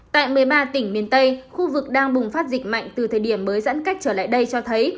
tại một mươi ba tỉnh miền tây khu vực đang bùng phát dịch mạnh từ thời điểm mới giãn cách trở lại đây cho thấy